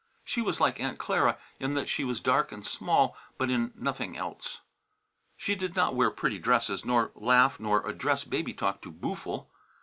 She was like Aunt Clara in that she was dark and small, but in nothing else. She did not wear pretty dresses nor laugh nor address baby talk to "Boo'ful."